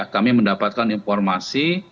kami mendapatkan informasi